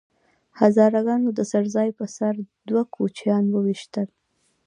هزاره ګانو د څړ ځای په سر دوه کوچیان وويشتل